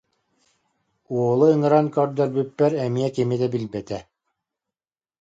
Уолу ыҥыран көрдөрбүппэр эмиэ кими да билбэтэ